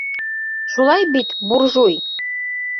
Шулай бит, Буржуй?